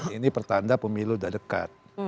ini pertanda pemilu sudah dekat